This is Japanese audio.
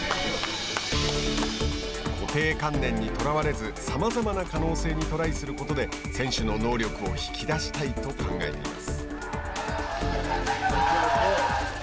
固定観念にとらわれずさまざまな可能性にトライすることで選手の能力を引き出したいと考えています。